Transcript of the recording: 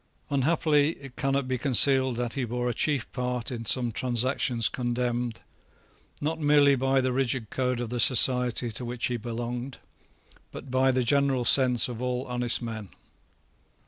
Unhappily it cannot be concealed that he bore a chief part in some transactions condemned, not merely by the rigid code of the society to which he belonged, but by the general sense of all honest men.